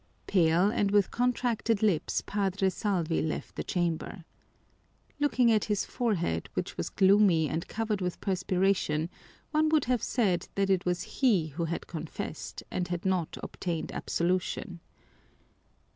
Pale and with contracted lips Padre Salvi left the chamber. Looking at his forehead, which was gloomy and covered with perspiration, one would have said that it was he who had confessed and had not obtained absolution.